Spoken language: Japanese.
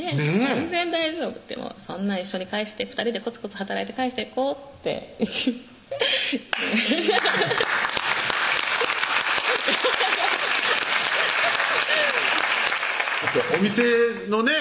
「全然大丈夫」って「一緒に返して２人でコツコツ働いて返していこう」ってお店のね